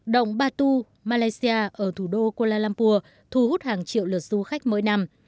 động batu malaysia ở thủ đô kuala lumpur thu hút hàng triệu lượt du khách mỗi năm